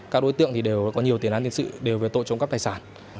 các đối tượng có nhiều tiền án tiền sự đều về tội trộm cắp tài sản